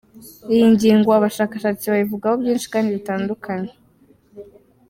Iyi ngingo abashakashatsi bayivugaho byinshi kandi bitandukanye.